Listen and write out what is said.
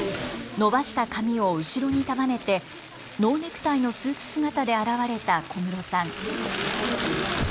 伸ばした髪を後ろに束ねてノーネクタイのスーツ姿で現れた小室さん。